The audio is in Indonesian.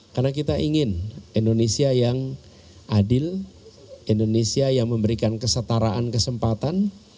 karena kita ingin indonesia yang adil indonesia yang memberikan kesetaraan kesempatan